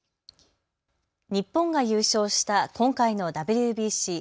日本が優勝した今回のＷＢＣ。